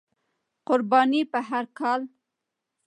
قرباني په هر کال،